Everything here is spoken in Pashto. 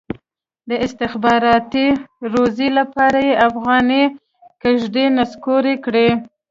د استخباراتي روزۍ لپاره یې افغاني کېږدۍ نسکورې کړي.